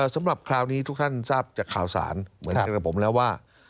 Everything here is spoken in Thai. สำหรับคราวนี้ทุกท่านทราบจากข่าวสารเหมือนกับผมแล้วว่า